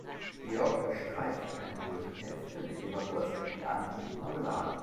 Georg bestreicht eine Brötchenhälfte mit Leberwurst und die andere mit Marmelade.